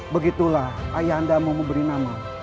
begitulah ayah anda mau memberi nama